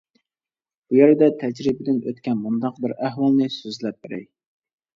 بۇ يەردە تەجرىبىدىن ئۆتكەن مۇنداق بىر ئەھۋالنى سۆزلەپ بېرەي.